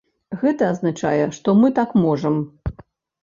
Гэта азначае, што мы так можам.